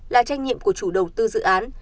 là trách nhiệm của chủ đầu tư dự án